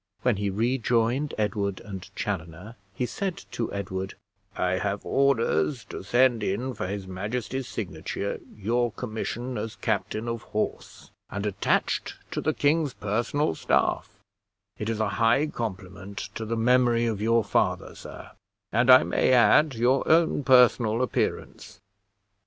When he rejoined Edward and Chaloner, he said to Edward "I have orders to send in for his majesty's signature your commission as captain of horse, and attached to the king's personal staff; it is a high compliment to the memory of your father, sir, and, I may add, your own personal appearance.